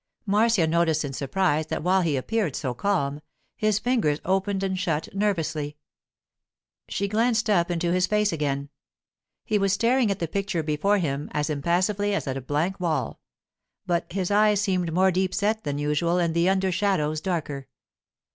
Marcia noticed in surprise that while he appeared so calm, his fingers opened and shut nervously. She glanced up into his face again. He was staring at the picture before him as impassively as at a blank wall; but his eyes seemed more deep set than usual and the under shadows darker.